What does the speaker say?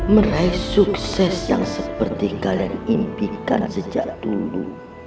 meraih sukses yang seperti kalian impikan sejak dulu